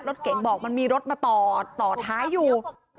รถเก๋งบอกมันมีรถมาต่อต่อท้ายอยู่